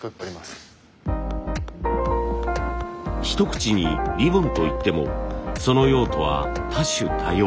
一口にリボンといってもその用途は多種多様。